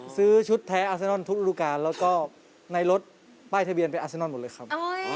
ซื้อชุดแท้อาเซนอนทุกรูการแล้วก็ในรถป้ายทะเบียนเป็นอาเซนอนหมดเลยครับ